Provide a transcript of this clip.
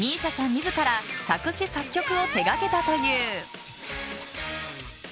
自ら作詞・作曲を手掛けたという。